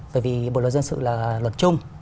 bởi vì bộ luật dân sự là luật chung